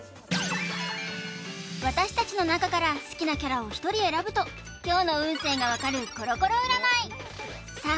私たちの中から好きなキャラを１人選ぶと今日の運勢が分かるコロコロ占いさあ